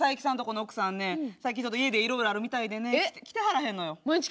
奥さんね、最近家でいろいろあるみたいで来てはらへんのよ。